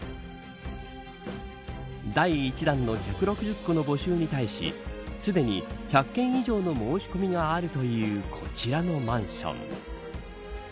第１弾の１６０戸の募集に対しすでに１００件以上の申し込みがあるというこちらのマンション。